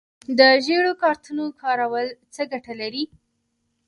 د ژیړو کارتونو کارول څه ګټه لري؟